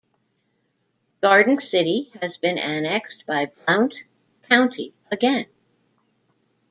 Garden City has been annexed by Blount County again.